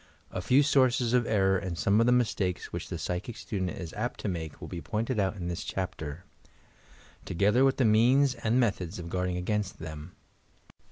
A few sources of error and some of the mistakes which the psychic student is apt to make will be pointed out in this chapter, — together with the means and methods of guarding against them.